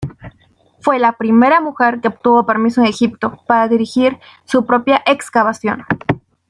Fue la primera mujer que obtuvo permiso en Egipto para dirigir su propia excavación.